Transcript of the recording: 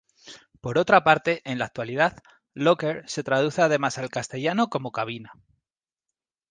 Por otra parte, en la actualidad, "locker" se traduce además al castellano como "cabina".